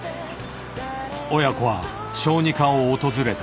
親子は小児科を訪れた。